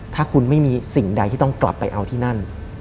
ถ้าคุณไม่มีสิ่งใดที่ต้องกลับไปเอาที่นั่น